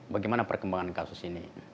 bagaimana perkembangan kasus ini